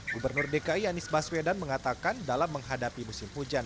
gubernur dki anies baswedan mengatakan dalam menghadapi musim hujan